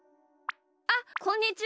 あっこんにちは。